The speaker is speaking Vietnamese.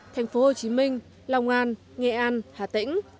thành phố hồ chí minh long an nghệ an hà tĩnh